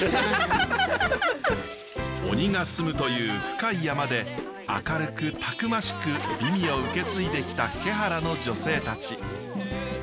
鬼がすむという深い山で明るくたくましく美味を受け継いできた毛原の女性たち。